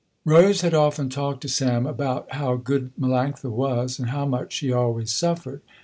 Rose had often talked to Sam about how good Melanctha was and how much she always suffered.